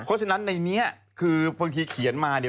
เพราะฉะนั้นในนี้คือบางทีเขียนมาเนี่ย